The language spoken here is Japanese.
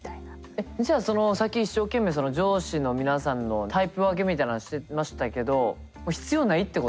えっじゃあそのさっき一生懸命上司の皆さんのタイプ分けみたいな話してましたけど必要ないってこと？